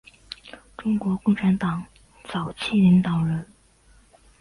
中国共产党早期领导人。